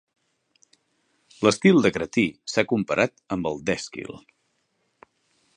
L'estil de Cratí s'ha comparat amb el d'Èsquil.